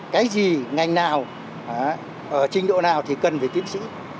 cái gì ngành nào trình độ nào thì cần phải tiến sĩ